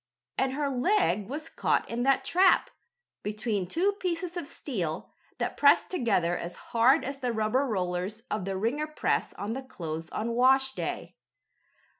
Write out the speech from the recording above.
And her leg was caught in that trap, between two pieces of steel, that pressed together as hard as the rubber rollers of the wringer press on the clothes on washday.